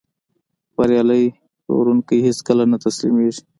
بریالی پلورونکی هیڅکله نه تسلیمېږي.